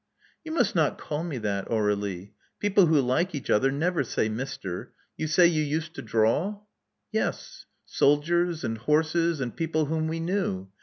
*'You must not call me that, Aur^lie. People who like each other never say 'Mister.' You say you used to draw?" Yes. Soldiers, and horses, and people whom we knew.